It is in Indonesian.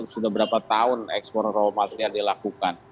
sudah berapa tahun ekspor rawa matriar dilakukan